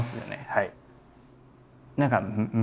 はい。